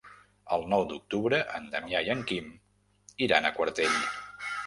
El nou d'octubre en Damià i en Quim iran a Quartell.